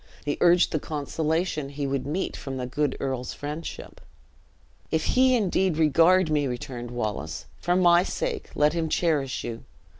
He urged the consolation he would meet from the good earl's friendship. "If he indeed regard me," returned Wallace, "for my sake let him cherish you.